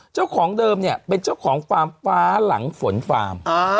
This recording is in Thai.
เจ้าของเดิมเนี่ยเป็นเจ้าของฟาร์มฟ้าหลังฝนฟาร์ม